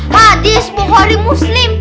hadis bukhari muslim